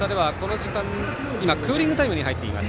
クーリングタイムに入っています。